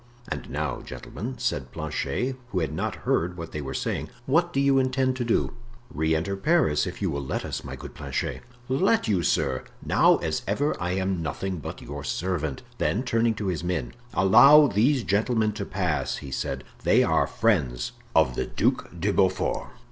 "And now, gentlemen," said Planchet, who had not heard what they were saying, "what do you intend to do?" "Re enter Paris, if you will let us, my good Planchet." "Let you, sir? Now, as ever, I am nothing but your servant." Then turning to his men: "Allow these gentlemen to pass," he said; "they are friends of the Duc de Beaufort."